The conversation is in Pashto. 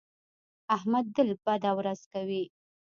احمد تل بده ورځ کوي.